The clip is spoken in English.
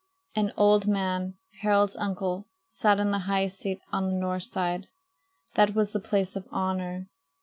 An old man, Harald's uncle, sat in the high seat on the north side. That was the place of honor.